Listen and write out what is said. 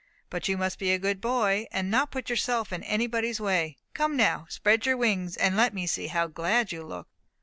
But you must be a good boy, and not put yourself in anybody's way. Come now, spread your wings, and let me see how glad you look."